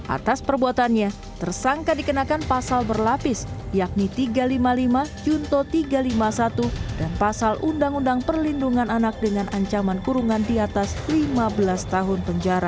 atas perbuatannya tersangka dikenakan pasal berlapis yakni tiga ratus lima puluh lima junto tiga ratus lima puluh satu dan pasal undang undang perlindungan anak dengan ancaman kurungan di atas lima belas tahun penjara